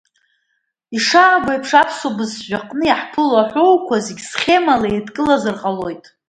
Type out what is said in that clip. Ишаабо еиԥш, аԥсуа бызшәаҟны иаҳԥыло аҳәоуқәа зегьы схьемала еидкылазар ҟалоит.